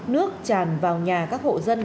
nước tràn vào nhà các hộ dân